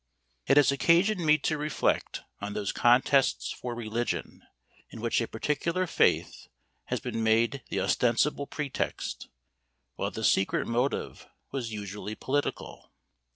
It has occasioned me to reflect on those contests for religion, in which a particular faith has been made the ostensible pretext, while the secret motive was usually political.